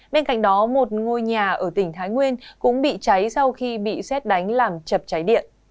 bên cạnh đó một ngôi nhà ở tỉnh thái nguyên cũng bị cháy sau khi bị xét đánh làm chập cháy điện